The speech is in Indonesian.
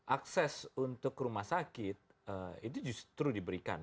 akses untuk rumah sakit itu justru diberikan